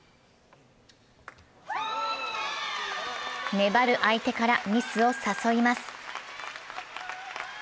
粘る相手からミスを誘います。